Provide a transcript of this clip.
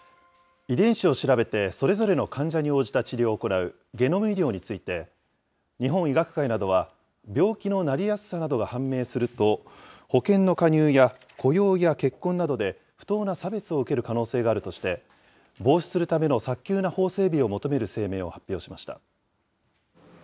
遺伝子を調べて、それぞれの患者に応じた治療を行うゲノム医療について、日本医学会などは病気のなりやすさなどが判明すると、保険の加入や雇用や結婚などで不当な差別を受ける可能性があるとして、防止するための早急な法整備を求める声明を発表しました。